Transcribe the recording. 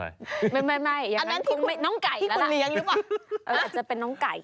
ไม่อย่างนั้นคุณน้องไก่แล้วล่ะอาจจะเป็นน้องไก่